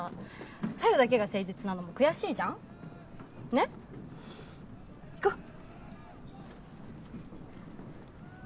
小夜だけが誠実なのも悔しいじゃんねっ行こう